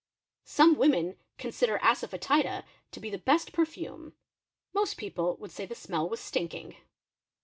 Some women consider assafetida to be the best perfume; mos people would say the smell was stinking.